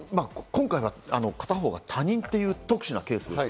今回は片方が他人という特殊なケースです。